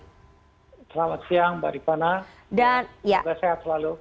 selamat siang mbak ripana semoga sehat selalu